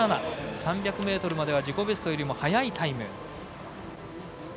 ３００ｍまでは自己ベストよりも速いタイム。